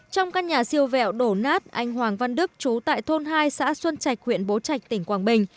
trong căn nhà siêu vẹo đổ nát anh hoàng văn đức chú tại thôn hai xã xuân trạch huyện bố trạch tỉnh quảng bình